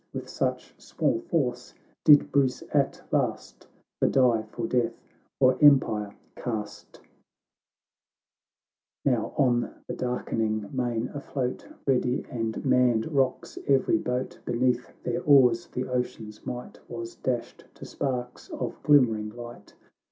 With such small force did Bruce at last The die for death or empire cast 1 XII Now on the darkening main afloat, Ready and manned rocks every boat ; Beneath their oars the ocean's might Was dashed to sparks of glimmeriDg light.